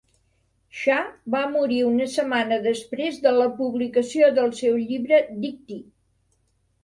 Cha va morir una setmana després de la publicació del seu llibre Dictee.